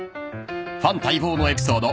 ［ファン待望のエピソード